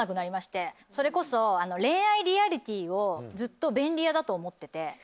それこそ恋愛リアリティーをずっと便利屋だと思ってて。